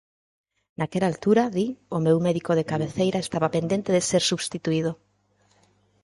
Naquela altura, di, o meu médico de cabeceira estaba pendente de ser substituído.